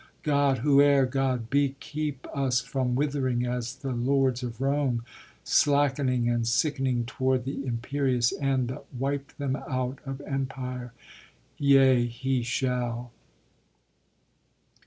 God, whoe'er God be, Keep us from withering as the lords of Rome Slackening and sickening toward the imperious end That wiped them out of empire! Yea, he shall.